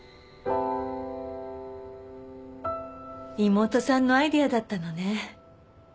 妹さんのアイデアだったのね。